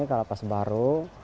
kita lapas baru